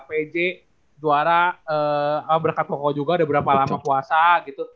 pj juara berkat pokok juga udah berapa lama puasa gitu